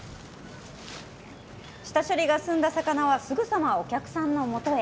下処理が済んだ魚は、すぐさまお客さんのもとへ。